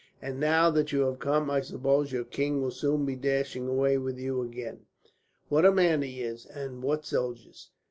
And now that you have come, I suppose your king will soon be dashing away with you again. "What a man he is, and what soldiers!